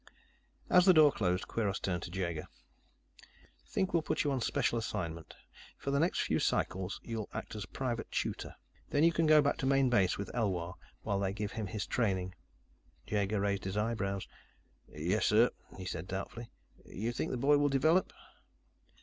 As the door closed, Kweiros turned to Jaeger. "Think we'll put you on special assignment. For the next few cycles, you'll act as a private tutor. Then you can go back to Main Base with Elwar while they give him his training." Jaeger raised his eyebrows. "Yes, sir," he said doubtfully. "You think the boy will develop?"